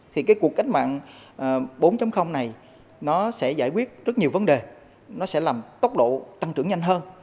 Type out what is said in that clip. thì cái cuộc cách mạng bốn này nó sẽ giải quyết rất nhiều vấn đề nó sẽ làm tốc độ tăng trưởng nhanh hơn